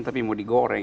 tapi mau digoreng